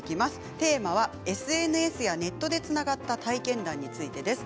テーマはＳＮＳやネットでつながった体験談についてです。